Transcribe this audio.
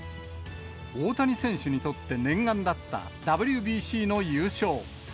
大谷選手にとって念願だったＷＢＣの優勝。